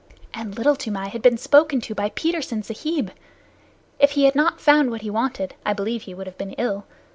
And Little Toomai had been spoken to by Petersen Sahib! If he had not found what he wanted, I believe he would have been ill.